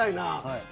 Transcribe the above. はい。